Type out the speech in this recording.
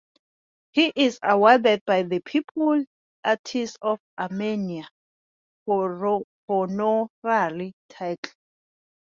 He is awarded by the "People's Artist of Armenia" honorary title.